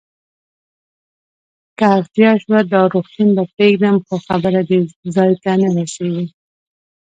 که اړتیا شوه، دا روغتون به پرېږدم، خو خبره دې ځای ته نه رسېږي.